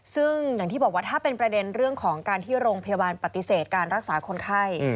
ซึ่งอย่างที่บอกว่าถ้าเป็นประเด็นเรื่องของการที่โรงพยาบาลปฏิเสธการรักษาคนไข้